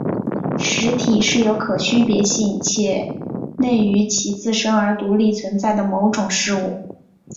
实体是有可区别性且内于其自身而独立存在的某种事物。